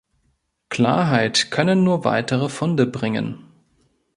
Klarheit können nur weitere Funde bringen.